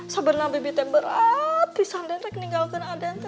sebab nang bibitnya berat bisa habiskan adente